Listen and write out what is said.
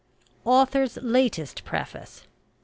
AUTHOR'S LATEST PREFACE.